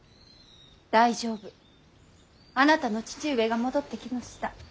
大丈夫あなたの父上が戻ってきました。